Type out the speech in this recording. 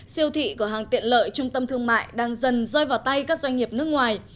siêu thị cửa hàng tiện lợi trung tâm thương mại đang dần rơi vào tay các doanh nghiệp nước ngoài